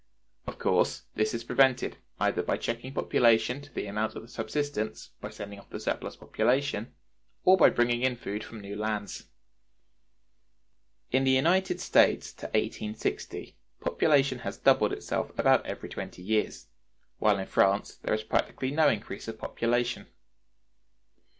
Of course, this is prevented either by checking population to the amount of the subsistence; by sending off the surplus population; or by bringing in food from new lands. In the United States to 1860 population has doubled itself about every twenty years, while in France there is practically no increase of population.